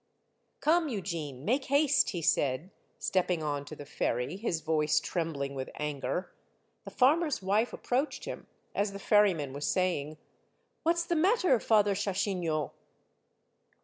'' Come, Eugene, make haste," he said, stepping on to the ferry, his voice trembling with anger. The farmer's wife approached him, as the ferry man was saying, '* What 's the matter. Father Chachignot?"